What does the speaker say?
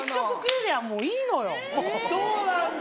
そうなんだ。